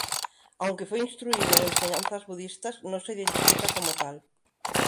Aunque fue instruido en enseñanzas budistas, no se identifica como tal.